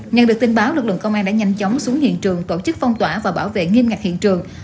nhận được tin báo lực lượng công an đã nhanh chóng xuống hiện trường tổ chức phong tỏa và bảo vệ nghiêm ngặt hiện trường